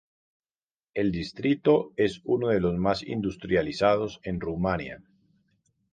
El distrito es uno de los más industrializados en Rumanía.